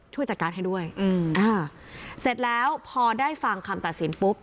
ช่วยจัดการให้ด้วยอืมอ่าเสร็จแล้วพอได้ฟังคำตัดสินปุ๊บ